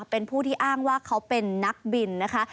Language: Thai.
เป็นผู้ที่อ้างว่าเขาเป็นนักบินนะคะ